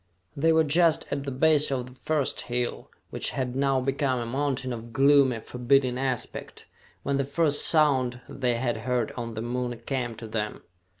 They were just at the base of the first hill, which had now become a mountain of gloomy, forbidding aspect, when the first sound they had heard on the moon came to them.